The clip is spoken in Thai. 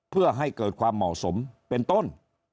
เพื่อให้เกิดความเหมาะสมเป็นต้น